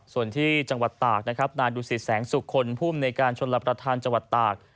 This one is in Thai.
ส่วนที่จังหวัดตากนาฬุษฏศัลน์สุขคนภูมิในการชนรับประทานจังหวัดตาก